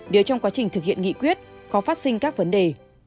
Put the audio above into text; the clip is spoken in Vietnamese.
nếu trong quá trình thực hiện nghị quyết có phát sinh các vấn đề